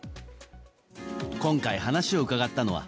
今回、話を伺ったのは。